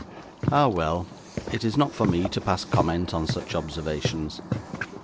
Ah, well; it is not for me to pass comment on such observations.